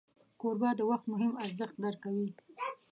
کوربه د وخت مهم ارزښت درک کوي.